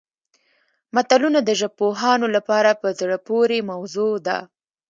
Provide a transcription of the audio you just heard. متلونه د ژبپوهانو لپاره په زړه پورې موضوع ده